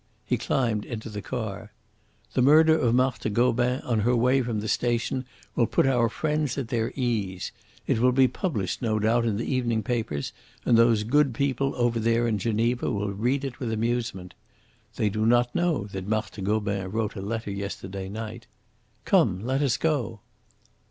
He climbed into the car. "The murder of Marthe Gobin on her way from the station will put our friends at their ease. It will be published, no doubt, in the evening papers, and those good people over there in Geneva will read it with amusement. They do not know that Marthe Gobin wrote a letter yesterday night. Come, let us go!"